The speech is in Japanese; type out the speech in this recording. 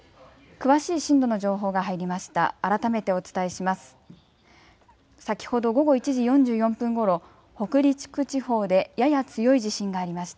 詳しい震度の情報が入りました。